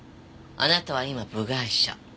あなたは今部外者。